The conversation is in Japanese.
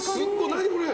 何これ！